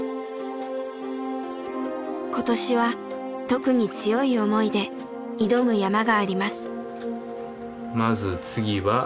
今年は特に強い思いで挑む山があります。